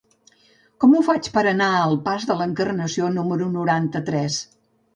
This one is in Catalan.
Com ho faig per anar al pas de l'Encarnació número noranta-tres?